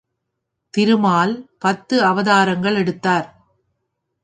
திருமால் பத்து அவதாரங்கள் எடுத்தார்.